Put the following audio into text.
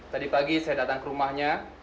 tadi pagi saya datang ke rumahnya